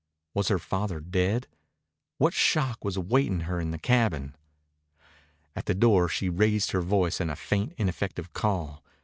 Was her father dead? What shock was awaiting her in the cabin? At the door she raised her voice in a faint, ineffective call.